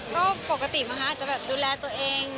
ก็ปกตินะคะอาจจะแบบดูแลตัวเอง